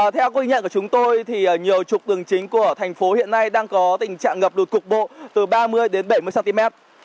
theo ghi nhận của chúng tôi thì nhiều trục đường chính của thành phố hiện nay đang có tình trạng ngập đột cục bộ từ ba mươi đến bảy mươi cm